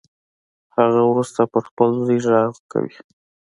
هغه وروسته پر خپل زوی غږ کوي